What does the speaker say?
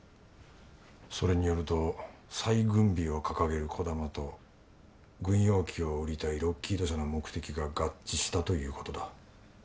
それによると再軍備を掲げる児玉と軍用機を売りたいロッキード社の目的が合致したという事だ。